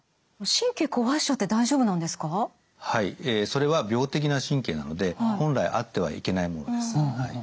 それは病的な神経なので本来あってはいけないものです。